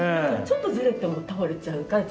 ちょっとずれても倒れちゃうから。